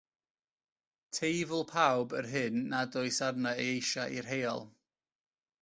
Teifl pawb yr hyn nad oes arno ei eisiau i'r heol.